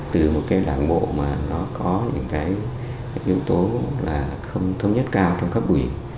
từ một cái đảng bộ mà nó có những cái yếu tố là không thống nhất cao trong cấp ủy